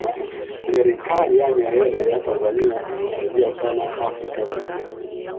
serikali ya nyerere ya tanzania iliisaidia sana afrika kusini